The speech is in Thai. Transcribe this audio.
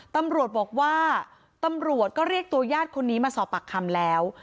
ตำรวจบอกว่าตำรวจก็เรียกตัวญาติคนนี้มาสอบปากคำแล้ว